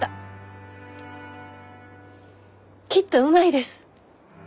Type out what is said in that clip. きっとうまいです。